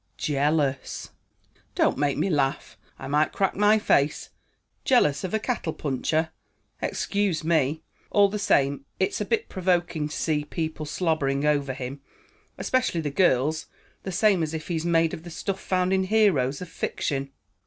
"Jealous." "Don't make me laugh; I might crack my face. Jealous of a cattle puncher! Excuse me! All the same, it's a bit provoking to see people slobbering over him, especially the girls, the same as if he's made of the stuff found in heroes of fiction."